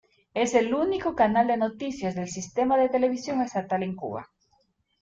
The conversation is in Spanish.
Es el único canal de noticias de el sistema de television estatal en Cuba.